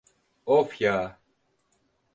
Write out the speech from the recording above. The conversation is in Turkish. Of ya.